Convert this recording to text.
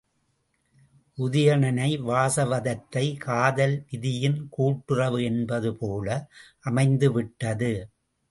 உதயணன் வாசவதத்தை காதல், விதியின் கூட்டுறவு என்பதுபோல அமைந்துவிட்டது.